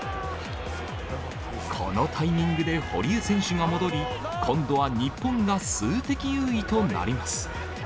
このタイミングで堀江選手が戻り、今度は日本が数的優位となります。